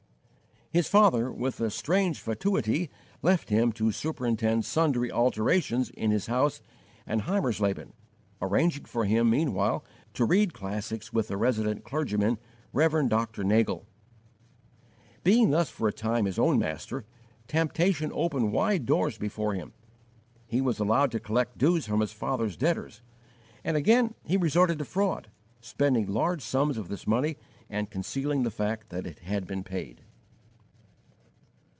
His father, with a strange fatuity, left him to superintend sundry alterations in his house at Heimersleben, arranging for him meanwhile to read classics with the resident clergyman, Rev. Dr. Nagel. Being thus for a time his own master, temptation opened wide doors before him. He was allowed to collect dues from his father's debtors, and again he resorted to fraud, spending large sums of this money and concealing the fact that it had been paid.